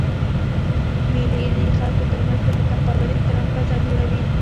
مېلې د خلکو ترمنځ د متقابل احترام فضا جوړوي.